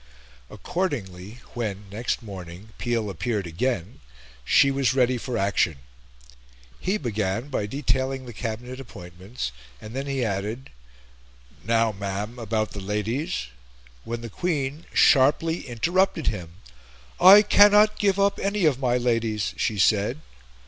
Accordingly, when, next morning, Peel appeared again, she was ready for action. He began by detailing the Cabinet appointments, and then he added "Now, ma'am, about the Ladies " when the Queen sharply interrupted him. "I cannot give up any of my Ladies," she said.